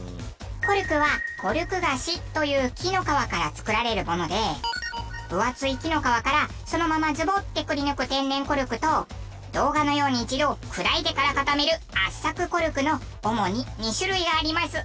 コルクはコルクガシという木の皮から作られるもので分厚い木の皮からそのままズボッてくりぬく天然コルクと動画のように一度砕いてから固める圧搾コルクの主に２種類があります。